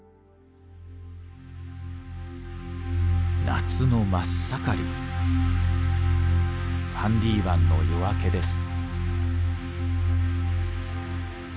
夏の真っ盛りファンディ湾の夜明けです。